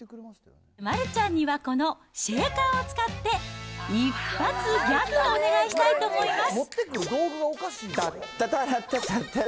丸ちゃんにはこのシェイカーを使って一発ギャグをお願いしたいと思います。